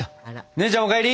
姉ちゃんお帰り！